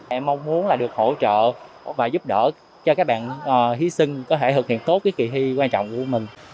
em mong muốn là được hỗ trợ và giúp đỡ cho các bạn thí sinh có thể thực hiện tốt cái kỳ thi quan trọng của mình